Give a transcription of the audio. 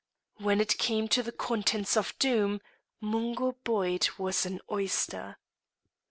When it came to the contents of Doom, Mungo Boyd was an oyster.